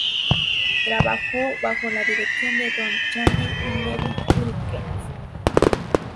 Trabajó bajo la dirección de Don Chaney y Lenny Wilkens.